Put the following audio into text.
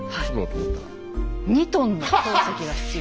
２トンの鉱石が必要。